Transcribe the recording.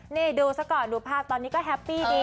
นี่ดูซะก่อนดูภาพตอนนี้ก็แฮปปี้ดี